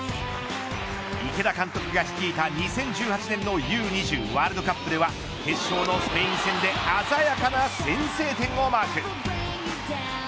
池田監督が率いた２０１８年のＵ２０ワールドカップでは決勝とスペイン戦で鮮やかな先制点をマーク。